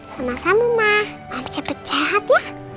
sama sama ma ma baca pecahat ya